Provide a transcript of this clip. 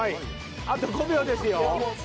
あと５秒ですよ。